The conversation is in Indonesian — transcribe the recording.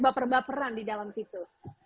baper baperan di dalam situ